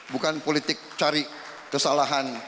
bukan politik cari kesalahan